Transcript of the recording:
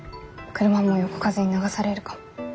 車も横風に流されるかも。